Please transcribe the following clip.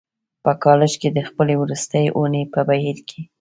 په کالج کې د خپلې وروستۍ اونۍ په بهیر کې